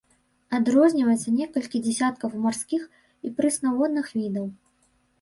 Адрозніваецца некалькі дзясяткаў марскіх і прэснаводных відаў.